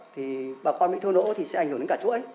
thì bà con bị thua lỗ thì sẽ ảnh hưởng đến cả chuỗi